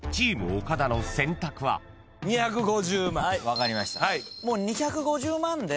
はい分かりました。